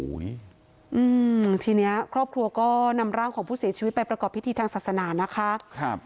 อืมทีเนี้ยครอบครัวก็นำร่างของผู้เสียชีวิตไปประกอบพิธีทางศาสนานะคะครับ